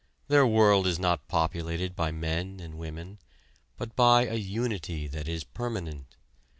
Their world is not populated by men and women, but by a Unity that is Permanent.